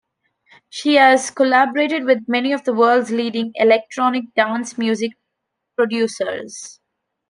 She has collaborated with many of the world's leading electronic dance music producers.